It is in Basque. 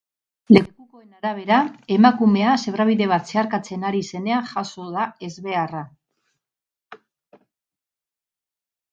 Lekukoen arabera, emakumea zebrabide bat zeharkatzen ari zenean jazo da ezbeharra.